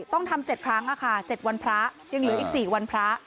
ต้องทำเจ็ดครั้งอะค่ะเจ็ดวันพระยังเหลืออีกสี่วันพระ